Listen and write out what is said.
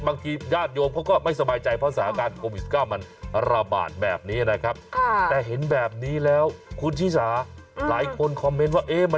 บางทีญาติโยมเขาก็ไม่สบายใจเพราะสถาการณ์โปรปิศกรรมมันระบาดแบบนี้นะครับ